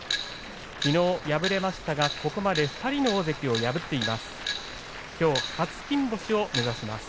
きのう敗れましたがここまで２人の大関を破っています。